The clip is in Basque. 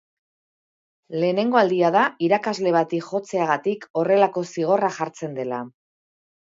Lehenengo aldia da irakasle bati jotzeagatik horrelako zigorra jartzen dela.